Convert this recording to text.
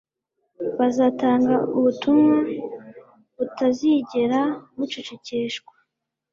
bazatanga ubutumwa butazigera bucecekeshwa